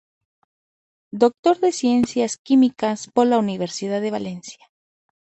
Doctor en Ciencias Químicas por la Universidad de Valencia.